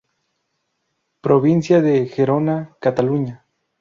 Provincia de Gerona, Cataluña.